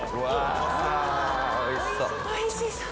おいしそう！